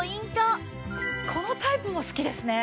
このタイプも好きですね。